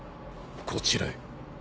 こちらへ。